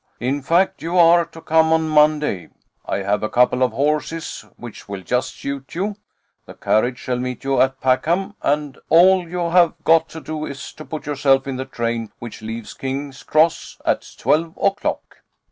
In fact, you are to come on Monday. I have a couple of horses which will just suit you; the carriage shall meet you at Packham, and all you have got to do is to put yourself in the train which leaves King's Cross at twelve o'clock."